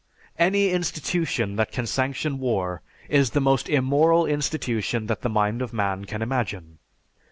_) Any institution that can sanction war is the most immoral institution that the mind of man can imagine.